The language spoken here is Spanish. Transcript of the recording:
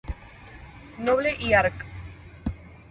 Noble y arq.